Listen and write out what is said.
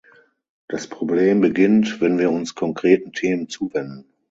Das Problem beginnt, wenn wir uns konkreten Themen zuwenden.